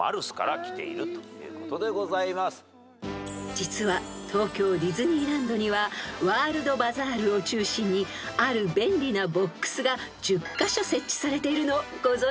［実は東京ディズニーランドにはワールドバザールを中心にある便利なボックスが１０カ所設置されているのをご存じですか？